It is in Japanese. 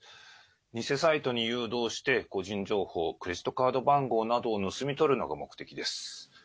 偽サイトに誘導して個人情報、クレジットカード番号などを盗み取るのが目的です。